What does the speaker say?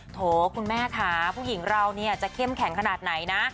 โถคุณแม่ค่ะผู้หญิงเราเนี่ยจะเข้มแข็งขนาดไหนนะ